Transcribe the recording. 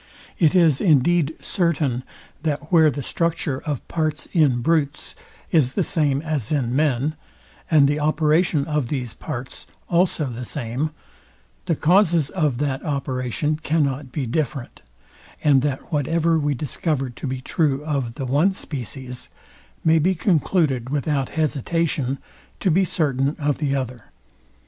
It is indeed certain, that where the structure of parts in brutes is the same as in men, and the operation of these parts also the same, the causes of that operation cannot be different, and that whatever we discover to be true of the one species, may be concluded without hesitation to be certain of the other.